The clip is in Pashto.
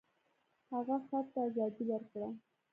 هغه خر ته ازادي ورکړه.